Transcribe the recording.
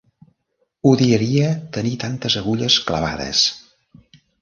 Odiaria tenir tantes agulles clavades!